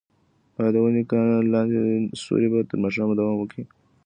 ایا د ونې لاندې سیوری به تر ماښامه دوام وکړي؟